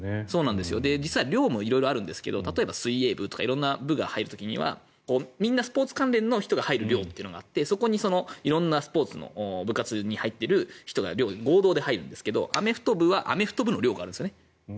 実は寮も色々あるんですけど水泳部とか色んな部が入る時にはみんなスポーツ関連の人が入る寮というのがあってそこに色んなスポーツの部活に入っている人が合同で入るんですけどアメフト部はアメフト部の寮があるんですよね。